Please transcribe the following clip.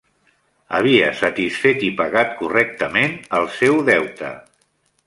Havia satisfet i pagat correctament el seu deute.